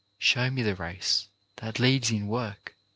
Show me the race that leads in work